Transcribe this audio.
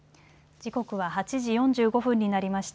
時刻は８時４５分になりました。